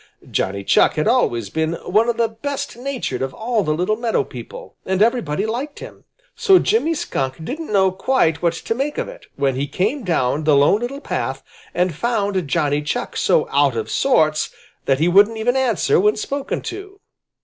Johnny Chuck had always been one of the best natured of all the little meadow people, and everybody liked him. So Jimmy Skunk didn't know quite what to make of it, when he came down the Lone Little Path and found Johnny Chuck so out of sorts that he wouldn't even answer when spoken to.